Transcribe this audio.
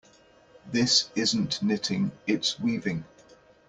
This isn't knitting, its weaving.